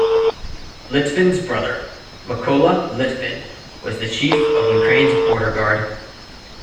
Lytvyn's brother, Mykola Lytvyn was the chief of Ukraine's Border Guard.